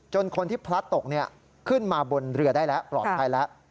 คนที่พลัดตกขึ้นมาบนเรือได้แล้วปลอดภัยแล้ว